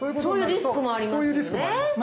そういうリスクもありますよね。